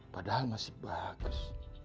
padahal masih bagus